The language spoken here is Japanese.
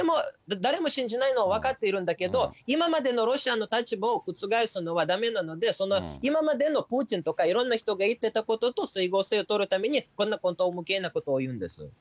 誰も信じないのは分かっているんだけど、今までのロシアの立場を覆すのはだめなので、その今までのプーチンとか、いろんな人が言ってたことと整合性を取るために、こんな荒唐無けいなことを言うんです。